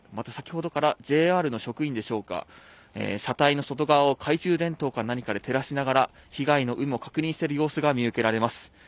先ほどからＪＲの職員でしょうか車体の外側を懐中電灯か何かで照らしながら被害の有無を確認する様子が見受けられます。